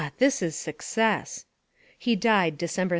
this is success. He died December 31st, 1852.